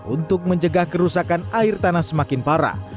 untuk mencegah kerusakan air tanah semakin parah